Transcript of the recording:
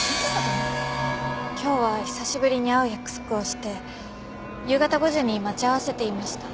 今日は久しぶりに会う約束をして夕方５時に待ち合わせていました。